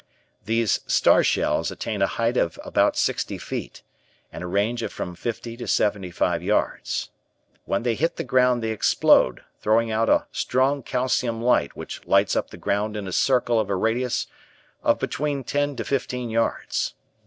These star shells attain a height of about sixty feet, and a range of from fifty to seventy five yards. When they hit the ground they explode, throwing out a strong calcium light which lights up the ground in a circle of a radius of between ten to fifteen yards.